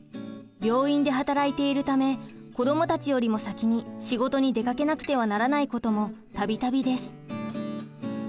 病院で働いているため子どもたちよりも先に仕事に出かけなくてはならないことも度々です。